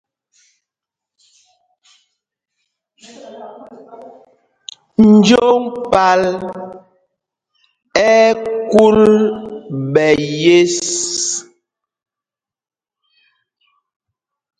Joŋ pal ɛ́ ɛ́ kúl ɓɛ̌ yes.